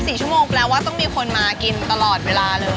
๔ชั่วโมงแปลว่าต้องมีคนมากินตลอดเวลาเลย